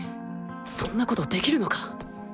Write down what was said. そんなことできるのか！？